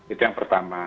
itu yang pertama